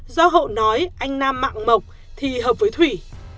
do hậu nói anh nam mạng mộc thì hợp với thủy